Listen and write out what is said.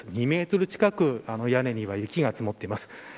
２メートル近く屋根には雪が積もっています。